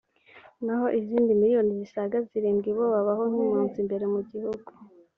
naho izindi miliyoni zisaga zirindwi bo babaho nk’impunzi imbere mu gihugu